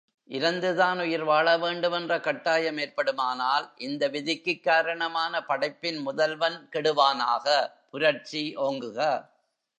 இரந்துதான் உயிர் வாழவேண்டும் என்ற கட்டாயம் ஏற்படுமானால் இந்த விதிக்குக் காரணமான படைப்பின் முதல்வன் கெடுவானாக புரட்சி ஓங்குக.